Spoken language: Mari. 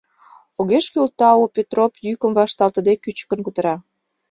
— Огеш кӱл, тау, — Петроп, йӱкым вашталтыде, кӱчыкын кутыра.